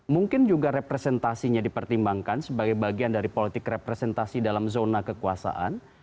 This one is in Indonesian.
mungkin juga representasinya dipertimbangkan sebagai bagian dari politik representasi dalam zona kekuasaan